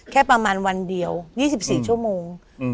แค่ประมาณวันเดียว๒๔ชั่วโมง